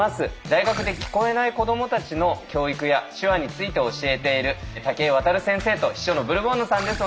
大学で聞こえない子どもたちの教育や手話について教えている武居渡先生と秘書のブルボンヌさんです。